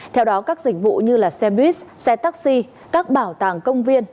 theo đó các dịch vụ như xe buýt xe taxi các bảo tàng công viên